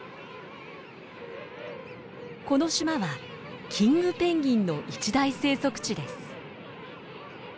この島はキングペンギンの一大生息地です。